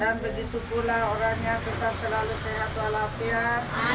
dan begitu pula orangnya tetap selalu sehat walafiat